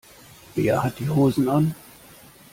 Wer hat die Hosen an?